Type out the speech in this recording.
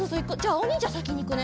おにんじゃさきにいくね。